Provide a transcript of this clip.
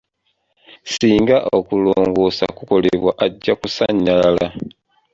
Singa okulongoosa kukolebwa ajja kusanyalala.